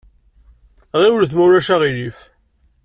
Ɣiwlet ma ulac aɣilif!